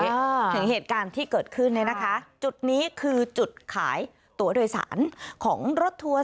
ถึงเหตุการณ์ที่เกิดขึ้นเนี่ยนะคะจุดนี้คือจุดขายตัวโดยสารของรถทัวร์